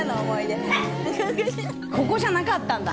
ここじゃなかったんだ。